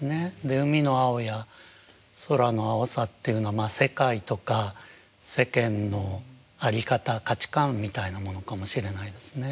で海の青や空の青さっていうのは世界とか世間の在り方価値観みたいなものかもしれないですね。